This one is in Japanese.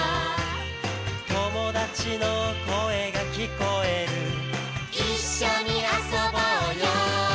「友達の声が聞こえる」「一緒に遊ぼうよ」